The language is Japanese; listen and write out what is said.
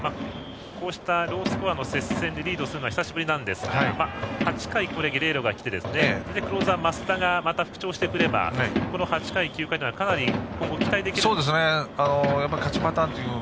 こうしたロースコアの接戦でリードするのは久しぶりですが８回にゲレーロがきてクローザーの益田が復調してくればこの８回、９回はかなり今後、期待できるんじゃないでしょうか。